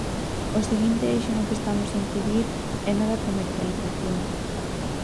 O seguinte eixo no que estamos a incidir é no da comercialización.